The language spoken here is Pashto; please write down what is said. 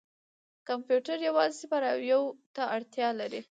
کمپیوټر یوازې صفر او یو ته اړتیا لري.